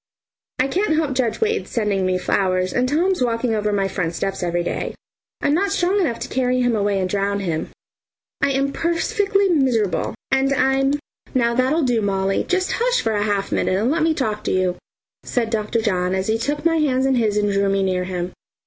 I can't help judge Wade's sending me flowers and Tom's walking over my front steps every day. I'm not strong enough to carry him away and drown him. I am perfectly miserable and I'm " "Now that'll do, Molly, just hush for a half minute, and let me talk to you," said Dr. John as he took my hand in his and drew me near him.